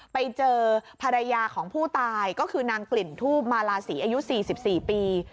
ไปเจอภรรยาของผู้ตายก็คือนางกลิ่นทูบมาลาศรีอายุ๔๔ปี